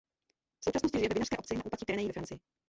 V současnosti žije ve vinařské obci na úpatí Pyrenejí ve Francii.